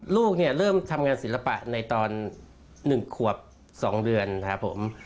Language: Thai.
ลูกเนี่ยเริ่มทำงานศิลปะในตอน๑ขวบ๒เดือนครับผม